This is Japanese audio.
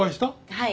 はい。